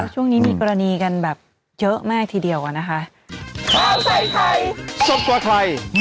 ช่วงนี้มีกรณีกันแบบเยอะมากทีเดียวอะนะคะ